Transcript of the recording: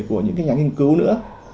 của những cái nhà nghiên cứu nữa